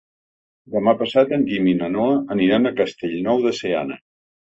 Demà passat en Guim i na Noa aniran a Castellnou de Seana.